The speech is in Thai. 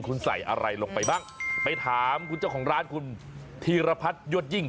คุณใส่อะไรลงไปบ้างไปถามคุณเจ้าของร้านคุณธีรพัฒนยวดยิ่ง